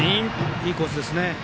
いいコースですね。